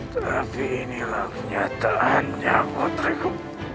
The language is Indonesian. tapi inilah kenyataannya putriku